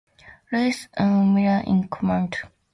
Louis N. Miller in command.